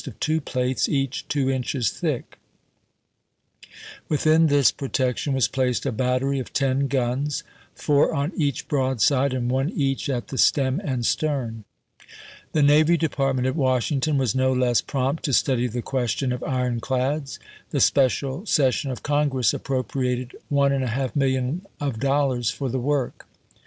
of two plates, each two inches thick. Within this K^jones/' . in " The protection was placed a battery of ten ^ns, four southern T 1 T • T 1 1 11 Magazine," on each broadside, and one each at the stem and ^ec , 1874 ' pp. 200, 201. stern. The Navy Department at Washington was no less prompt to study the question of ironclads. The special session of Congress appropriated one and a half million of dollars for the work.